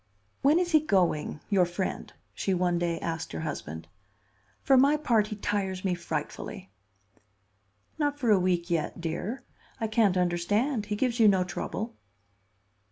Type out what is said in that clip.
"When is he going—your friend?" she one day asked her husband. "For my part, he tires me frightfully." "Not for a week yet, dear. I can't understand; he gives you no trouble."